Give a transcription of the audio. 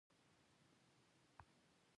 نه، ډاکټر ته مې وویل چې زموږ څلور کاله کېږي.